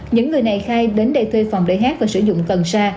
những người này khai đến đây thuê phòng để hát và sử dụng cần sa